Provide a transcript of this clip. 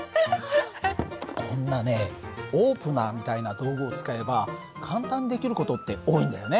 こんなねオープナーみたいな道具を使えば簡単にできる事って多いんだよね。